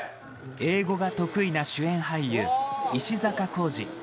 英語が得意な主演俳優、石坂浩二。